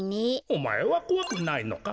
おまえはこわくないのか？